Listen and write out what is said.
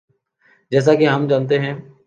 جیسا کہ ہم جانتے ہیں۔